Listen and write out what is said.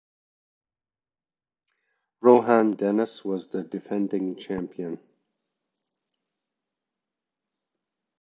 Rohan Dennis was the defending champion.